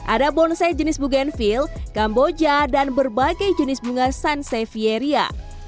ada bonsai jenis bugenvil kamboja dan berbagai jenis bunga sansevieria